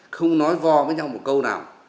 không nói vo với nhau một câu nào